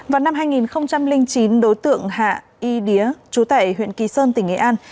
vào năm hai nghìn chín đối tượng hạ y đía chú tại huyện kỳ sơn tỉnh nghệ an